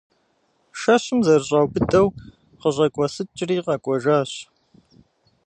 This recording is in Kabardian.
Шэщым зэрыщӏаубыдэу, къыщӏэкӏуэсыкӏри къэкӏуэжащ.